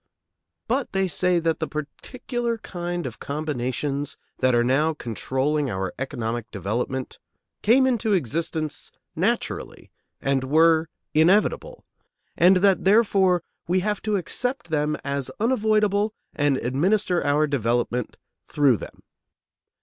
But they say that the particular kind of combinations that are now controlling our economic development came into existence naturally and were inevitable; and that, therefore, we have to accept them as unavoidable and administer our development through them.